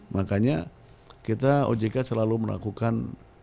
makanya kita ojk selalu melakukan